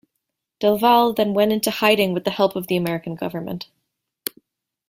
Delvalle then went into hiding with the help of the American government.